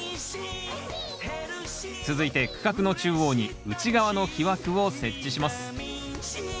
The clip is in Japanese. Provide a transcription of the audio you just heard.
続いて区画の中央に内側の木枠を設置します。